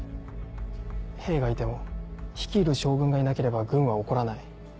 兵がいても率いる将軍がいなければ軍は興らない。